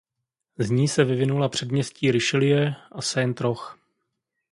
Z ní se vyvinula předměstí Richelieu a Saint Roch.